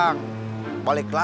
oh emang dia belum